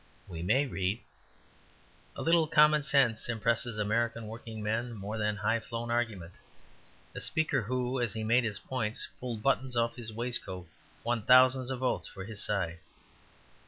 We may read "A little common sense impresses American working men more than high flown argument. A speaker who, as he made his points, pulled buttons off his waistcoat, won thousands of votes for his side."